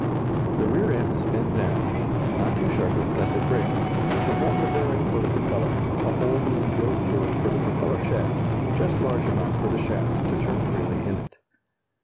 The rear end is bent down (not too sharply, lest it break) to form the bearing for the propeller, a hole being drilled through it for the propeller shaft, just large enough for the shaft to turn freely in it.